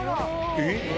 えっ！